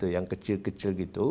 yang kecil kecil gitu